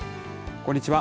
こんにちは。